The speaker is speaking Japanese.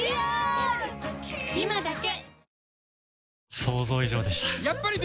今だけ！